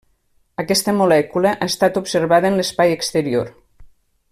Aquesta molècula ha estat observada en l'espai exterior.